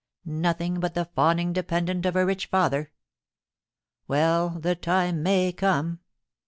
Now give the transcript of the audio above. Nothing but the fawning dependent of her rich father. Well, the time may come.